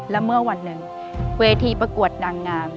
และเมื่อวันหนึ่งเวทีประกวดนางงาม